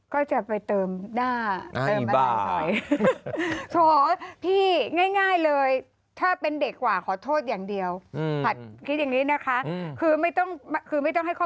ก็จะเปลี่ยนการเติมหน้า